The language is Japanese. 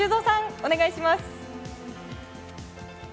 お願いします。